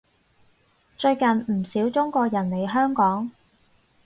最近唔少中國人嚟香港